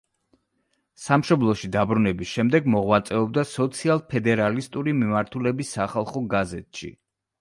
სამშობლოში დაბრუნების შემდეგ მოღვაწეობდა სოციალ-ფედერალისტური მიმართულების „სახალხო გაზეთში“.